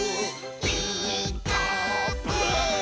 「ピーカーブ！」